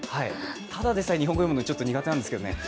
ただでさえ日本語読むの苦手なんですけどね。